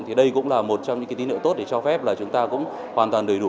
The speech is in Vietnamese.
thì đây cũng là một trong những cái tín hiệu tốt để cho phép là chúng ta cũng hoàn toàn đầy đủ